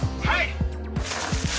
はい！